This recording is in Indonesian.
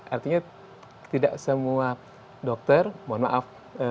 artinya tidak semua dokter mohon maaf